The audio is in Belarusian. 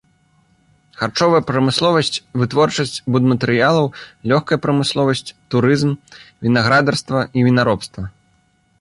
Харчовая прамысловасць, вытворчасць будматэрыялаў, лёгкая прамысловасць, турызм, вінаградарства і вінаробства.